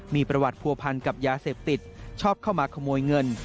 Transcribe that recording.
มีประวัติผัวพันกับยาเสพติดชอบเข้ามาขโมยเงิน